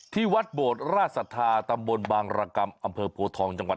ที่วัดโบดราชศรัทธาตำบลบางรกรรมอำเภอโพทองจังหวัด